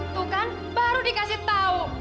tuh kan baru dikasih tahu